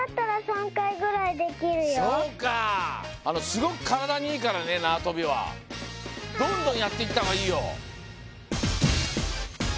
すごくからだにいいからねなわとびは。どんどんやっていったほうがいいよ。